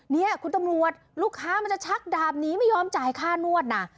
เนี่ยคุณตำรวจลูกค้ามันจะชักดาบหนีไม่ยอมจ่ายค่านวดนะ